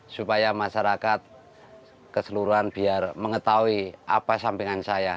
supaya masyarakat keseluruhan biar mengetahui apa sampingan saya